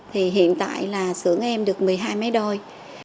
hiện tại sưởng em được một mươi hai máy đôi